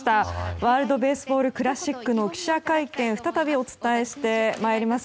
ワールド・ベースボール・クラシックの記者会見を再びお伝えして参ります。